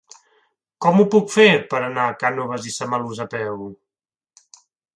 Com ho puc fer per anar a Cànoves i Samalús a peu?